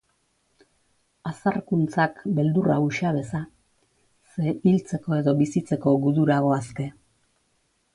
Azarkuntzak beldurra uxa beza, ze hiltzeko edo bizitzeko gudura goazke.